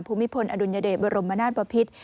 ภูมิพลอดุลยเดชบรมนาศปภิษ